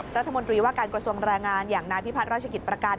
รัฐมนตรีว่าการกระทรวงแรงงานอย่างนายพิพัฒนราชกิจประกัน